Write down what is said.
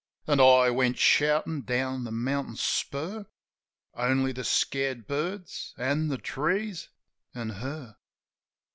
As I went shoutin' down the mountain spur. Only the scared birds, an' the trees, an' Her.